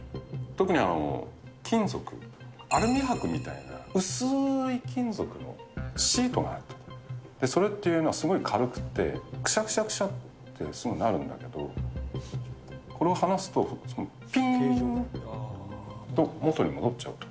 特に金属、アルミはくみたいな、薄ーい金属のシートがあると、それっていうのはすごい軽くって、くしゃくしゃくしゃって、すぐなるんだけど、これを離すと、ぴーんと元に戻っちゃうと。